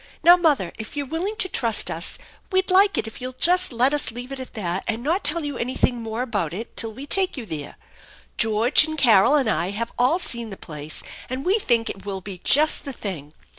Now, mother, if you're willing to trust us, we'd like it if you'll just let us leave it at that and not tell you anything more about it till we take you there. George and <~!arol and I have all seen the place, and we think it will be just the thing.